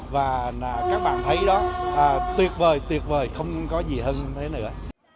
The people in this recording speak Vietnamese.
và các bạn thấy đó tuyệt vời tuyệt vời không có gì hơn thế nữa